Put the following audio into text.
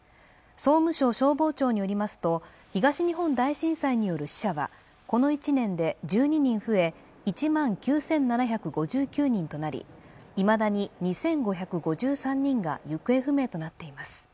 総務省消防庁によりますと東日本大震災による死者はこの１年で１２人増え１万９７５９人となりいまだに２５５３人が行方不明となっています